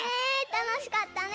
たのしかったね。